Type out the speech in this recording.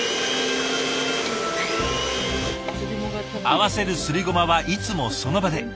合わせるすりごまはいつもその場で。